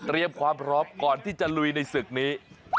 ความพร้อมก่อนที่จะลุยในศึกนี้